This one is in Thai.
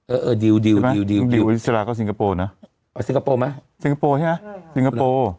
เออเออดิวดิวดิวดิวสิงคโปร์ไหมสิงคโปร์ใช่ไหมสิงคโปร์